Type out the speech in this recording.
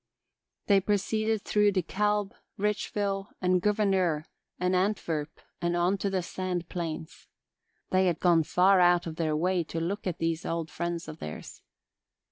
They proceeded through DeKalb, Richville and Gouverneur and Antwerp and on to the Sand Plains. They had gone far out of their way for a look at these old friends of theirs.